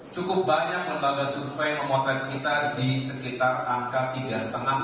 cukup banyak lembaga survei memotret kita di sekitar angka tiga lima